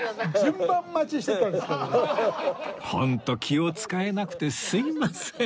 ホント気を使えなくてすいません